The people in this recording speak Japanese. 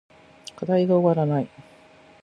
課題が終わらない